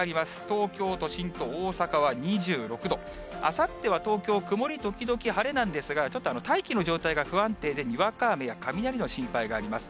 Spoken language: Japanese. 東京都心と大阪は２６度、あさっては東京、曇り時々晴れなんですが、ちょっと大気の状態が不安定で、にわか雨や雷の心配があります。